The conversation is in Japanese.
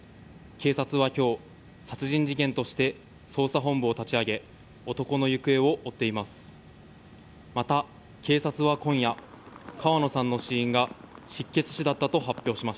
警察は今日、殺人事件として捜査本部を立ち上げ男の行方を追っています。